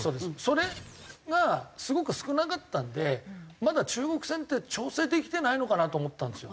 それがすごく少なかったんでまだ中国戦って調整できてないのかな？と思ったんですよ。